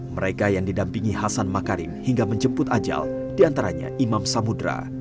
mereka yang didampingi hasan makarim hingga menjemput ajal diantaranya imam samudera